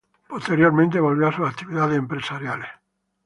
Posteriormente volvió a sus actividades empresariales.